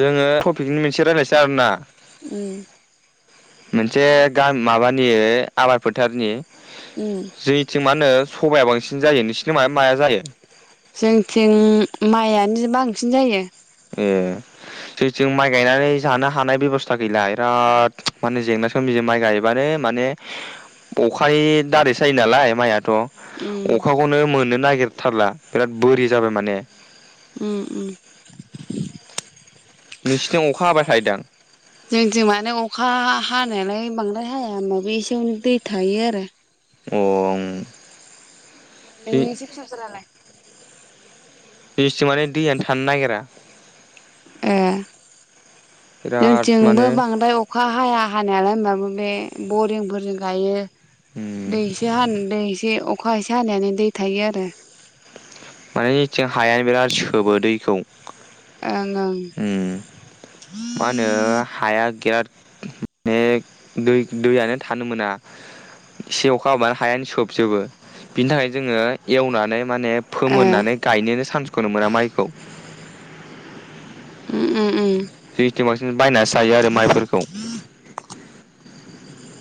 जोङो तपिकनि मोनसे रायनोसै आरोना उम मोनसे गान माबानि आबाद फोथारनि उम जोंनिथिं मा होनो सबाया बांसिन जायो नोंसोरनिथिं मा माया जायो जोंथिं माइआनो बांसिन जायो ए जे जों माइ गायनानै जानो हानाय बेब'स्था गैला बिराद माने जेंनाजों बे माइ गायबानो माने अखानि दारैसो जायो नालाय माया उम थ' अखाखौनो मोननो नागिर थारला बिराद बोरि जाबाय माने उम नोंसिनिथिं अखा हाबाय थायोदां जोंनिथिं माने अखा हा हानायालाय बांद्राय हाया होनबाबो एसेयावनो दै थायो आरो अ ओं [unintelligible] जोनिथिं माने दैयानो थानो नागिरा ए बिराद जोंथिंबो माने बांद्राय अखा हाया हानायालाय होमबाबो बे बरिंफोरजों गायो दै इसे हान दै इसे अखा इसे हानायानो दै थायो आरो माने इथिं हायानो बिराद सोबो दैखौ आरो ओं उम मा होनो हाया गेराद माने दै दैयानो थानो मोना एसे अखा हाबानो हायानो सोबजोबो बिनि थाखाय जोङो एवनानै माने ए फोमोननानै गायनोनो चानसखौनो मोना माइखौ उम उम उम जोंनिथिं बांसिन बायनासो जायो आरो माइफोरखौ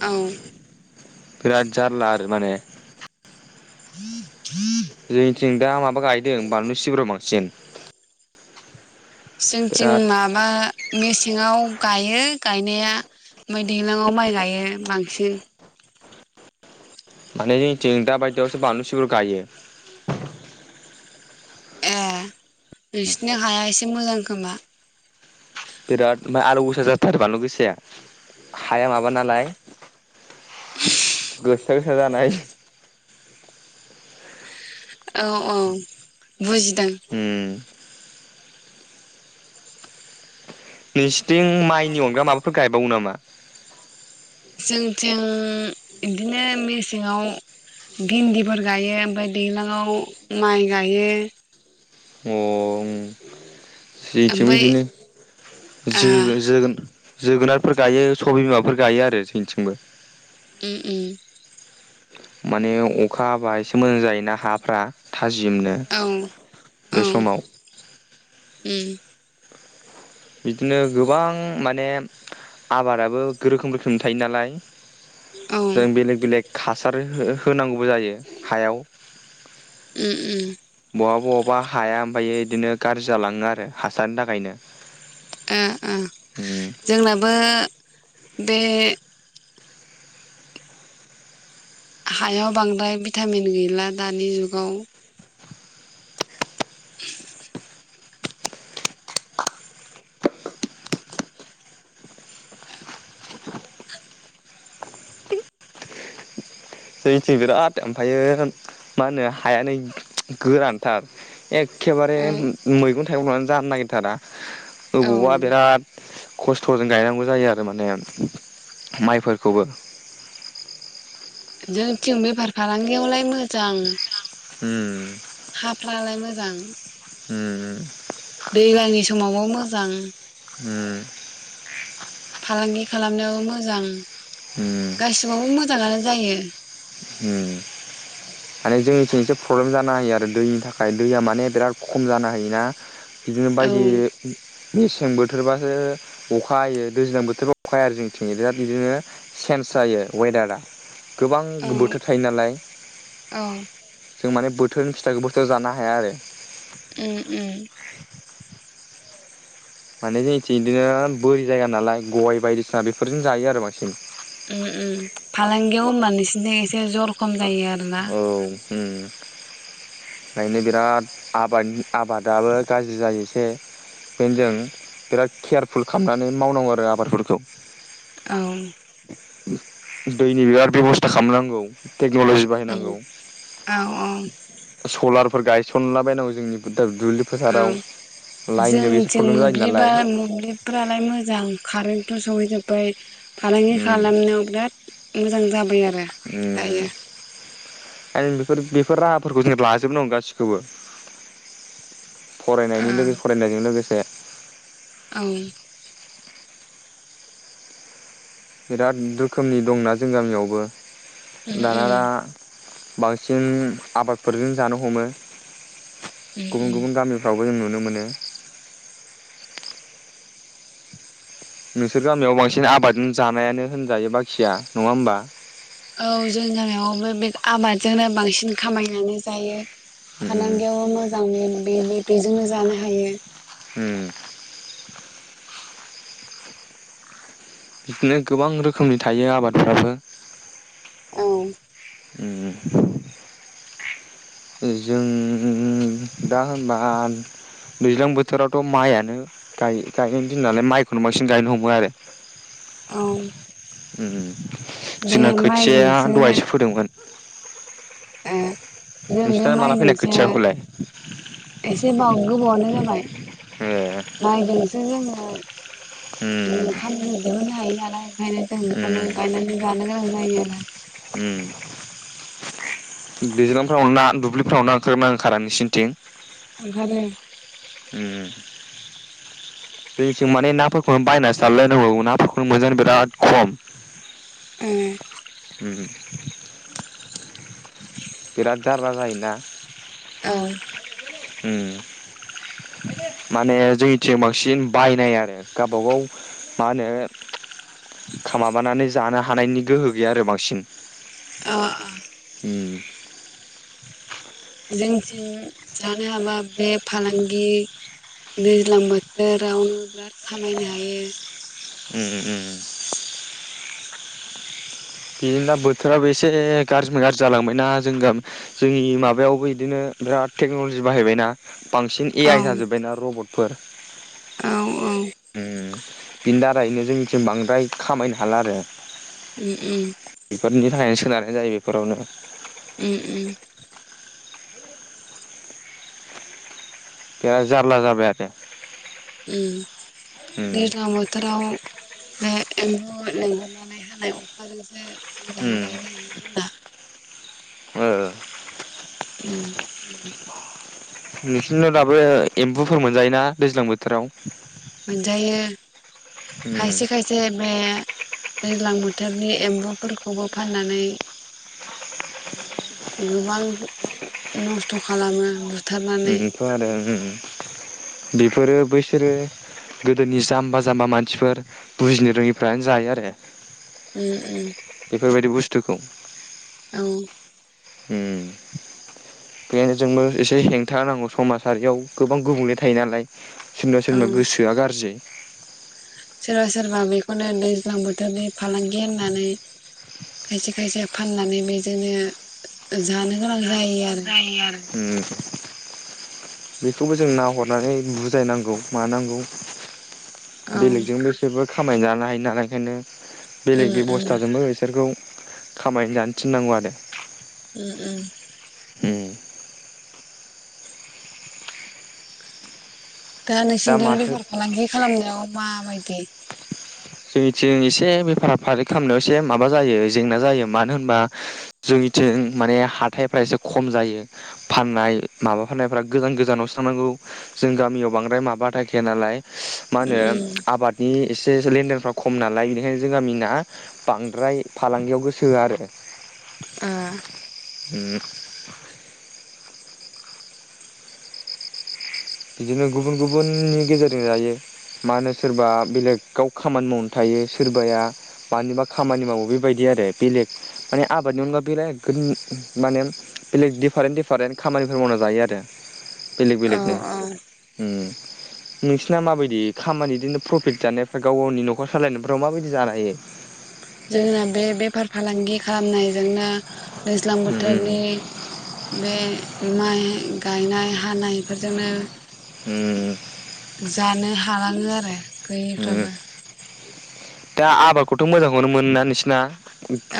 औ बिराद जारला आरो माने [unintelligible] जोंनिथिं दा माबा गायदों बानलु सिब्र बांसिन [inaudible] जोंथिं बिराद माबा मेसेङाव गायो गायनाया ओमफाय दैलाङाव माइ गायो बांसिन माने जोंथिं दा बायदियावसो बानलु सिब्र गायो ए नोंसिनि हाया एसे मोजां खोमा बिराद ओमफाय आलौ गोसा जाथारो बानलु गोसाया हाया माबा नालाय गोसा गोसा जाना होयो औ औ बुजिदों नोंसिथिं इं माइनि अनगा माबाफोर गायबावो नामा [inaudible] इं इदिनो मेसेङाव भिन्दिफोर गायो ओमफाय दैलाङाव माइ गायो अं जोंनिथिंबो ओमफ्राय इदिनो ओ जोगो जोगोन जोगोनार फोर गायो सबाय बिमाफोर गायो आरो जोंनिथिंबो उम उम माने अखा हाबा एसे मोजां जायोना हाफ्रा थाजिमनो औ बे औ समाव उम बिदिनो गोबां माने आबादाबो रोखोम रोखोमनि थायो नालाय औ उम जों बेलेक बेलेक हासार हो होनांगौ बो जायो हायाव ओम ओम बबा बबा हाया ओमफ्रायो इदिनो गाज्रि जालाङो आरो हासारनि थाखायनो ओ ओ जोंनाबो बे हायाव बांद्राय भिटामिन गैला दानि जुगाव जोंनिथिं बिराद ओमफ्रायो मा होनो हायानो गोरानथार ए एखेबारे मैगं एवनानै जानो नागिरथारा औ ओबावबा बिराद खस्थ'जों गायनांगौ जायो आरो माने माइफोरखौबो जोंथिं बेफार फालांगियावलाय मोजां उम हाफ्रालाय मोजां जां ओम दैलांनि समावबो मोजां उम फालांगि खालामनायावबो मोजां उम गासिबावबो मोजाङानो जायो ओम माने जोंनिथिं एसे प्रब्लेम जानो हायो आरो दैनि थाखाय दैया माने बिराद खम जाना होयोना बिदिनो औ बायदि सें बोथोरबासो अखा हायो दैज्लां बोथोरबा अखा हाया आरो जोंथिं बिराद बिदिनो चेन्स जायो वेदारा गोबां औ गुबु थ' थायो नालाय औ जों माने बोथोरनि फिथाइखौ बोथोराव जानो हाया आरो उम उम माने जोंनिथिं बिदिनो बोरि जायगा नालाय गय बायदिसिना बेफोरजों जायो आरो बांसिन ओम ओम फालांगियाव होमबा नोंसिनिथिं एसे जर खम जायो आरोना औ ओम नायनो बिराद आबादनि आबादाबो गाज्रि जायो बे बेनो जों बिराद केयारफुल खालामनानै मावनांगौ आरो आबादफोरखौ औ उम दैनि बिराद बेब'स्था खालामनांगौ टेक्न'लजि औ बाहायनांगौ औ औ सलारफोर गायसनला बायनांगौ जोंनिथिं औ जों लाइननिबो एसे जों प्रब्लेम जायो मोब्लिबा नालाय मोब्लिबफ्रालाय मोजां कारेन्टथ' सहैजोबबाय फालांगि उम खालामनायाव बिराद मोजां जाबाय आरो उम दायो आरो बेफोर बेफोर राहाफोरखौ जों लाजोबनांगौ गासिखौबो फरायनायनि ओं लोगो फरायनायजों लोगोसे आंनि बिराद रोखोमनि दंना जों गामियावबो दाना दा उम बांसिन आबादफोरजों जानो हमो उम गुबुन उम गुबुन गामिफ्रावबो जों नुनो मोनो नोंसोर गामियाव बांसिन आबाद जानायानो होनजायो बाखिया नङा होमबा औ जों गामियावबो बे आबादजोंनो बांसिन खामायनानै जायो उम फालांगियाव मोजां मेन बिलि बेजोंनो जानो हायो होम बिदिनो गोबां रोखोमनि थायो आबादफ्राबो औ उम ओ जों दा होनबा दैज्लां बोथोरावथ' माइयानो गाय गायनायनि दिन नालाय माइखौनो बांसिन गायनो हमो आरो औ उम बे जोंना खोथिया माइजोंसो दहायसो फोदोंमोन ओ जों बे नोंसिना माला फैनाय माइजोंसो खोथियाखौलाय एसे बा गोबावानो जाबाय ए बाय मायखौ जों जो जोङो उम ओ खामनो दिहुन्नो हायो नालाय ओंखायनो जों बेखौनो उम गायनानै जानो गोनां जायो ब [unintelligible] उम दैज्लांफ्राव ना दुब्लिफ्राव नाओंखारोमोन ना ओंखारा नोंसिनिथिं ओंखारो उम जोंथिं माने नाफोरखौनो बायनानै जालायलायनांगौ नाफोरखौ मोनजानो बिराद खम ओ उम बिराद जारला जायोना औ उम माने जोंनिथिं बांसिन बायनाय आरो गावबाागाव मा होनो माबानानै जानो हानायनि गोहो गैया आरो बांसिन अ जोंथिं जानो हाबा बे फालांगि दैज्लां बोथोरावनो बिराद खामायनो हायो उम उम बिदिनोदा बोथोराबो एसे गारजि गारजि जालांबायना जों गा जोंनि माबायावबो इदिनो बिराद टेक्न'लजि बाहायबायना बांसिन ए औ आइ जाजोब्बायना रबट फोर औ औ बिनि दारैनो जोंनिथिं बांद्राय खामायनो हाला आरो उ [unintelligible] बेफोरनि थाखायनो स होनानै जायो बेफोरावनो उम उम बिराद जारला जाबाय आरो उम उम दैज्लां बोथोराव एम्फु लेंहरनानै हानाय अखाजोंसो मोजाङै गायनोहायो जोंना ओ [inaudible] उम नोंसिनाव दाबो एम्फुफोर मोनजायोना दैज्लां बोथोराव मोनजायो उम खायसे खायसे बे दैज्लां बोथोरनि एम्बौफोरखौबो फाननानै [inaudible] गोबां नस्थ' खालामो उम बुथारनानै उम दं आरो उम उम बेफोरो बैसोरो गोदोनि जाम्बा जाम्बा मानसिफोर बुजिनो रोङिफ्रानो जायो आरो उम उम थुखौ औ उम बेखायनो जोंबो एसे हेंथा होनांगौ समाजारियाव गोबां गुबुंले थायो नालाय सोरनिबा औ सोरनिबा गोसोआ गारजि सोर सोरबा बेखौनो दैज्लां बोथोरनि फालांगि होननानै खायसे खायसे फाननानै बेजोंनो जानो गोनां जायो आरो उम बेखौबो जों नाहरनानै बुजायनांगौ मानांगौ औ बेलेगजोंबोसोबो खामाय जानाय [unintelligible] हायो नालाय ओखायनो बेलेग उम उम बेबस्थाजोंबो बिसोरखौ खामाय जानो थिननांगौ आरो उम उम उम दा नोंसिनिथिं बेफार फालांगि खालामनायाव मा बायदि जोंनिथिं एसे बेफार फारि खालामनायाव एसे माबा जायो जेंना जायो मानो होनबा जोंनिथिं माने हाथायफ्रा एसे खम जायो फाननाय माबा फाननायफ्रा गोजान गोजानाव थांनांगौ जों गामियाव बांद्राय माबा थाखाय गैया नालाय मा उम होनो उम आबादनि एसे [unintelligible] खम नालाय बेनिखायनो जों गामिना बांद्राय फालांगियाव गोसो होया आरो। ओ बिदिनो गुबुन गुबुननि गेजेरजों जायो मा होनो सोरबा बेलेगाव खामानि मावनानै थायो सोरबाया मानिबा खामानि मावो बेबायदि आरो बेलेग माने आबादनि अनगा बेलेग माने बेलेग दिडफारेन्ट दिडिफारेन्ट खामानिफोर मावना जायो आरो बेलेग औ बेलेकनो। औ उम नोंसिना माबायदि खामानि बिदिनो प्रफिट जानायफोरा गाव गावनि नखर सालायनायफ्राव मा बायदि जानो हायो? जोंना बे बेफार फालांगि खालामनायजोंनो दैज्लां उम बोथोरनि बे [unintelligible] ओम गायनाय हानायफोरजोंनो उम जा [unintelligible] थालाङो आरो उम गैयिफ्राबो दा आबादखौथ' मोजांखौनो मोनोना नोंसिना?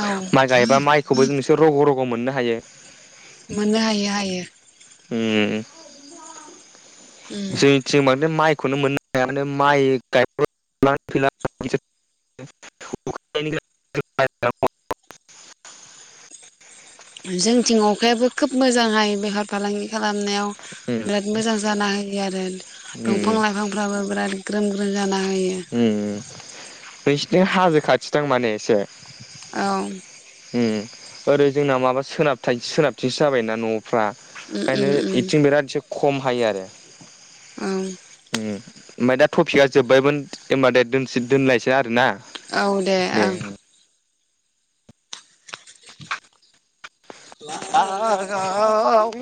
औ माइ गायबा माइखौबो जोंसोर रग' रग' मोननो हायो मोननो हायो हायो। उम। उम जोंनिथिं बांद्राय माइ खौनो मोननो हाया [unintelligible] जोंथिं अखायाबो खोब मोजां हायो बेफार फालांगि खालामनायाव नोंसिनि बिराद मोजां जाना होयो आरो दंफां-लाइफांफ्राबो बिराद ग्रोम ग्रोम जाना होयो उम बै [unintelligible] हाजो खाथिदां माने एसे। औ। ओम ओरै जोंना माबा सोनाबथा सोनाबथिसो जाबायना न'आ फ्रा उम ओंखायनो उम इथिं बिराद एसे खम हायो आरो उम होम। ओमफाय दा टफपिकआ जोबबायमोन एमबादे दोन दोनलायनोसो आरोना। औ दे ओं। [unintelligible]